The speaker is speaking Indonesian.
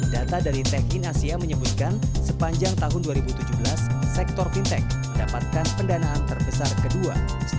data dari techin asia menyebutkan sepanjang tahun dua ribu tujuh belas sektor fintech mendapatkan pendanaan terbesar kedua